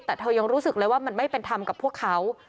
แต่เธอยังรู้สึกเลยว่ามันไม่เป็นธรรมกับพวกเขา